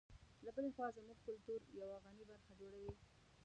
له بلې خوا زموږ کلتور یوه غني برخه جوړوي.